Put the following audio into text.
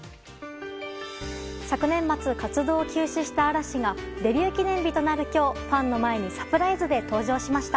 昨年末、活動を休止した嵐がデビュー記念日となる今日ファンの前にサプライズで登場しました。